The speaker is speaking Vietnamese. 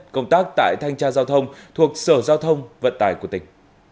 công tác tại thanh tra giao thông thuộc sở giao thông vận tải của tỉnh